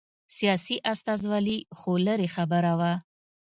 سیاسي استازولي خو لرې خبره وه.